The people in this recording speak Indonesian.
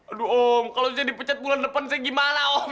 aduh om kalau bisa dipecat bulan depan saya gimana om